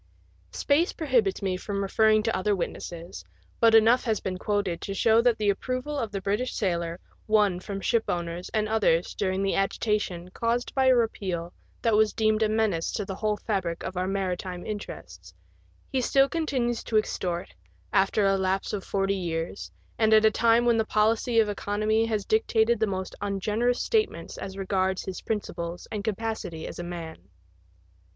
Space prohibits me from referring to other witnesses, but enough has been quoted to show that the approval of the British sailor won from shipowners and others during the agitation caused by a repeal that was deemed a menace to the whole fabric of our maritime interests he still continues to extort, after a lapse of forty years, and at a time when the policy of economy has dictated the most ungenerous statements as regards his principles and capacity as a man.